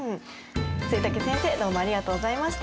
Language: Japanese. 季武先生どうもありがとうございました。